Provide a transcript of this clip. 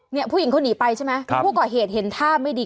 เนี่ยผู้หญิงเขาหนีไปใช่ไหมครับผู้ก่อเหตุเห็นท่าไม่ดี